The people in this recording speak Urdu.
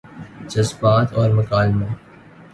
جذبات اور مکالموں